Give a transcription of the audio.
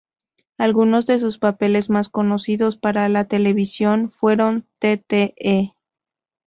Algunos de sus papeles más conocidos para la televisión fueron: Tte.